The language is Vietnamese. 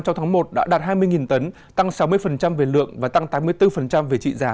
trong tháng một đã đạt hai mươi tấn tăng sáu mươi về lượng và tăng tám mươi bốn về trị giá